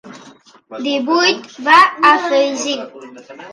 Divuit, va afegir.